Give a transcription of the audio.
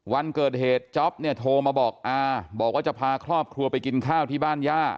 วันเกิดเหตุจ๊อปเนี่ยโทรมาบอกอาบอกว่าจะพาครอบครัวไปกินข้าวที่บ้านย่า